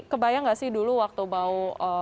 kebayang gak sih dulu waktu mau